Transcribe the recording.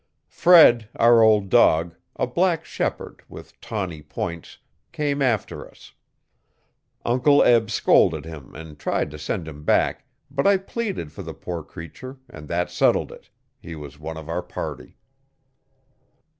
Fred, our old dog a black shepherd, with tawny points came after us. Uncle Eb scolded him and tried to send him back, but I pleaded for the poor creature and that settled it, he was one of our party.